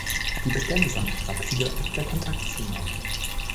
Die Bestände sanken rapide, als der Kontakt zunahm.